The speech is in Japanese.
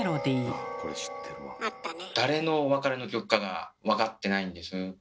誰の「別れの曲」かがわかってないんです。